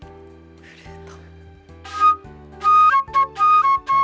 フルート。